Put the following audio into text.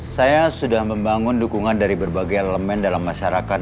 saya sudah membangun dukungan dari berbagai elemen dalam masyarakat